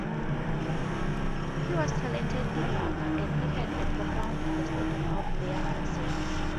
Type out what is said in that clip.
He was talented in "waka"; and he had a profound understanding of the classics.